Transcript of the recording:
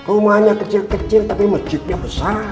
rumahnya kecil kecil tapi masjidnya besar